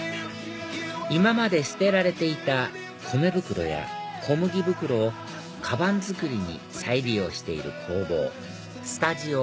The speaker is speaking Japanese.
今まで捨てられていた米袋や小麦袋をカバン作りに再利用している工房